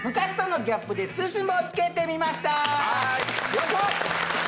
よいしょ！